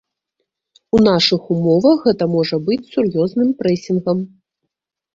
У нашых умовах гэта можа быць сур'ёзным прэсінгам.